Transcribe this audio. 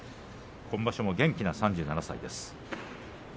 今場所も元気な３７歳です。